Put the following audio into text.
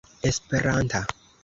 esperanta